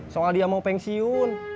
soal dia mau pensiun